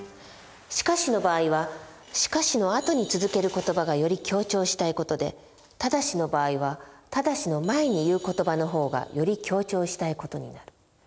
「しかし」の場合は「しかし」の後に続けることばがより強調したい事で「ただし」の場合は「ただし」の前に言うことばの方がより強調したい事になる。